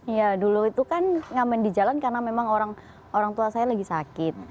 iya dulu itu kan ngamen di jalan karena memang orang tua saya lagi sakit